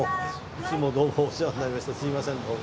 いつもどうもお世話になりましてすいませんどうも。